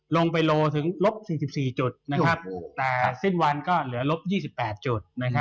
ลงไปโลถึงลบ๔๔จุดแต่สิ้นวันก็เหลือลบ๒๘จุด